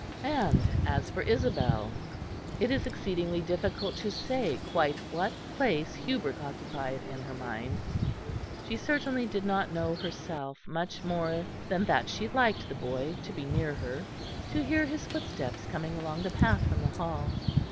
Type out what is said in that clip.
And as for Isabel. It is exceedingly difficult to say quite what place Hubert occupied in her mind. She certainly did not know herself much more than that she liked the boy to be near her; to hear his footsteps coming along the path from the Hall.